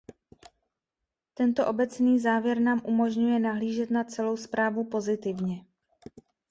Tento obecný závěr nám umožňuje nahlížet na celou zprávu pozitivně.